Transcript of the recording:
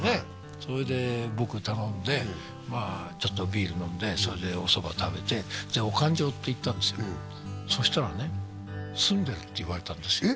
それで僕頼んでちょっとビール飲んでそれでお蕎麦食べてお勘定って言ったんですよそしたらねって言われたんです